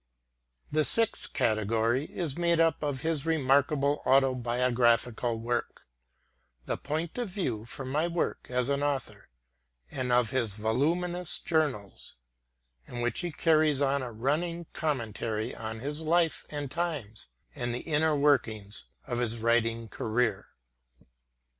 The sixth category is made up of his remarkable autobiographical work, The Point of View for My Work as an Author, and of his voluminous journals, in which he carries on a running commentary on his life and times and the inner workings of his writing career.